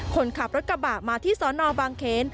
คนขับรถกระบะมาที่สนบางเขน